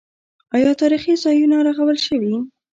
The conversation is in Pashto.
آیا تاریخي ځایونه رغول شوي؟